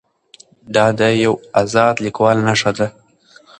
دا د یو ازاد لیکوال نښه ده.